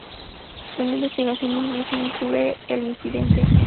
Una investigación incluso encubre el incidente.